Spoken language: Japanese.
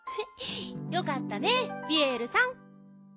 よかったねピエールさん。